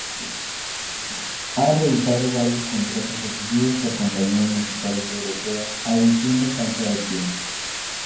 Ha rehusado varios contratos ofrecidos por compañías musicales europeas aduciendo falta de tiempo.